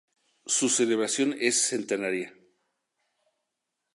Su celebración es centenaria.